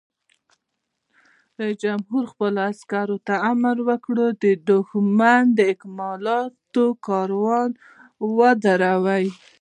رئیس جمهور خپلو عسکرو ته امر وکړ؛ د دښمن د اکمالاتو کاروان ودروئ!